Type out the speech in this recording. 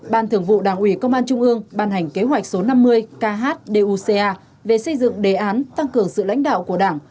ban thường vụ đảng ủy công an trung ương ban hành kế hoạch số năm mươi khduca về xây dựng đề án tăng cường sự lãnh đạo của đảng